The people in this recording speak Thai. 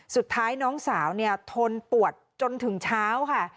สุดท้ายน้องสาวทนปวดจนถึงเช้าค่ะ